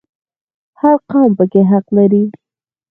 هر قوم پکې حق لري